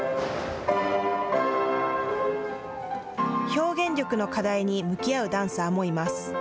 表現力の課題に向き合うダンサーもいます。